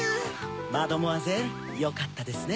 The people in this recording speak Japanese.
マドモアゼルよかったですね。